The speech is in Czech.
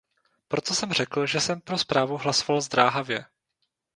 Proto jsem řekl, že jsem pro zprávu hlasoval zdráhavě.